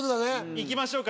行きましょうか。